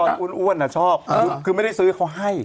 ทำไมตอนอ้วนอะชอบคือไม่ได้ซื้อเขาให้